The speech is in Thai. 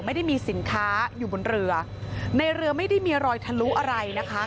ไม่ได้มีสินค้าอยู่บนเรือในเรือไม่ได้มีรอยทะลุอะไรนะคะ